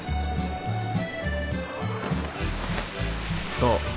そう。